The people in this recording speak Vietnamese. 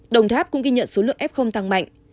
đồng tháp cũng ghi nhận số lượng f tăng mạnh